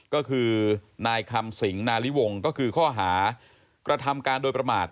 ก็คือนายคำสิงนาริวงศ์ก็คือข้อหากระทำการโดยประมาท